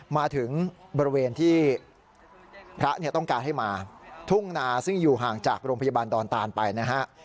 มาถึงบริเวณที่พระต้องการให้มาทุ่งนาซึ่งอยู่ห่างจากโรงพยาบาลดอนตานไปนะฮะ